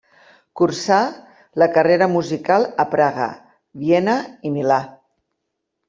Cursà la carrera musical a Praga, Viena i Milà.